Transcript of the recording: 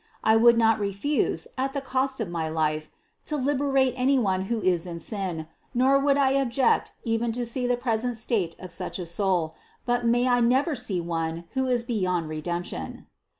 I would not refuse, at the cost of my life, to liberate any one who is in sin, nor would I object even to see the present state of such soul ; but may I never see one, who is beyond redemption